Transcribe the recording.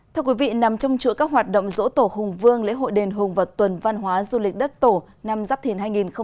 thưa quý vị nằm trong chuỗi các hoạt động dỗ tổ hùng vương lễ hội đền hùng và tuần văn hóa du lịch đất tổ năm giáp thiền hai nghìn hai mươi bốn